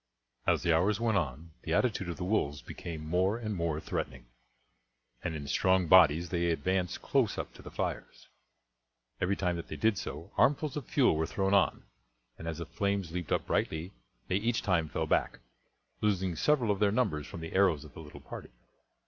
As the hours went on the attitude of the wolves became more and more threatening, and in strong bodies they advanced close up to the fires. Every time that they did so armfuls of fuel were thrown on, and as the flames leaped up brightly they each time fell back, losing several of their numbers from the arrows of the little party.